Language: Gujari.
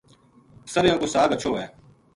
سریاں کو ساگ ہچھو وھے